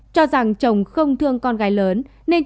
cho rằng chồng không thương con gái lớn